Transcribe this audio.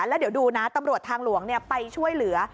แล้วเดี๋ยวดูนะตำรวจทางหลวงไปช่วยเหลือ